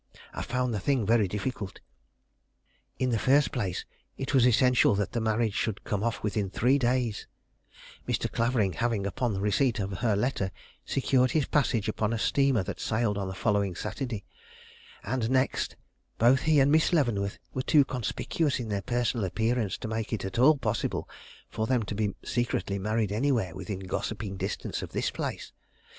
I found the thing very difficult. In the first place, it was essential that the marriage should come off within three days, Mr. Clavering having, upon the receipt of her letter, secured his passage upon a steamer that sailed on the following Saturday; and, next, both he and Miss Leavenworth were too conspicuous in their personal appearance to make it at all possible for them to be secretly married anywhere within gossiping distance of this place.